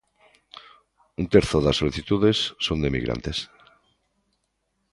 Un terzo das solicitudes son de inmigrantes.